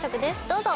どうぞ！